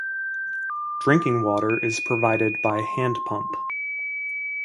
Drinking water is provided by hand pump.